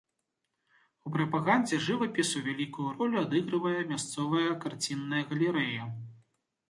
У прапагандзе жывапісу вялікую ролю адыгрывае мясцовая карцінная галерэя.